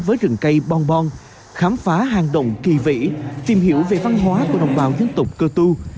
với rừng cây bong bong khám phá hàng đồng kỳ vĩ tìm hiểu về văn hóa của đồng bào dân tục cơ tu